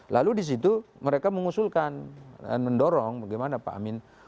lalu di situ mereka mengusulkan dan mendorong bagaimana pak amin